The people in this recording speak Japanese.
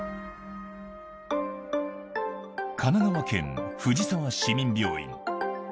神奈川県、藤沢市民病院。